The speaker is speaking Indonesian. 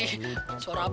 suara abang jelek banget ya